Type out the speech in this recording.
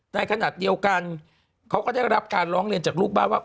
ในขณะเดียวกันเขาก็ได้รับการร้องเรียนจากลูกบ้านว่า